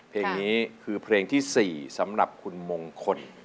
เพลงนี้คือเพลงที่๔สำหรับคุณมงคล